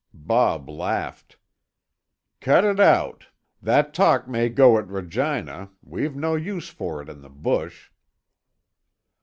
Bob laughed. "Cut it out! That talk may go at Regina; we've no use for it in the bush."